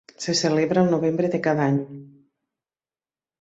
Se celebra el novembre de cada any.